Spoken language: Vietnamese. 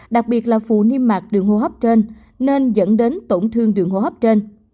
đặc biệt là phụ niêm mạc đường hô hấp trên nên dẫn đến tổn thương đường hô hấp trên